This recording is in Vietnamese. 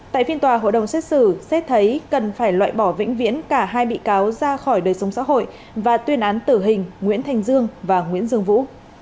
tại phiên tòa hội đồng xét xử xét thấy cần phải loại bỏ vĩnh viễn cả hai bị cáo ra khỏi đời sống xã hội và tuyên án tử hình nguyễn thành dương và nguyễn dương vũ